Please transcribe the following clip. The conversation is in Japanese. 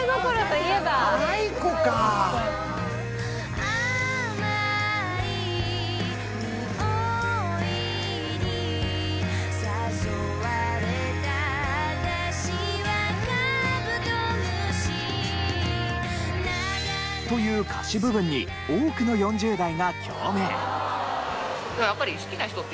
「ａｉｋｏか」という歌詞部分に多くの４０代が共鳴。